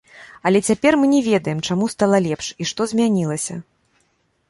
Але цяпер мы не ведаем, чаму стала лепш і што змянілася.